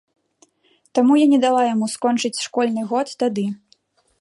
Таму я не дала яму скончыць школьны год тады.